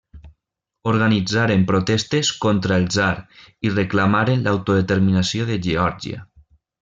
Organitzaren protestes contra el tsar i reclamaren l'autodeterminació de Geòrgia.